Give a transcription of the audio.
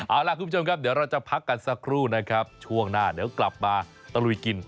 เอาล่ะคุณผู้ชมครับเดี๋ยวเราจะพักกันสักครู่นะครับช่วงหน้าเดี๋ยวกลับมาตะลุยกิน